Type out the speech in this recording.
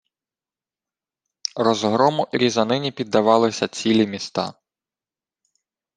Розгрому і різанині піддавалися цілі міста